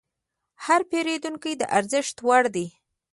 هر پیرودونکی د ارزښت وړ دی.